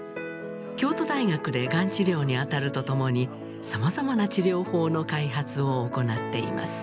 京都大学でがん治療にあたるとともにさまざまな治療法の開発を行っています。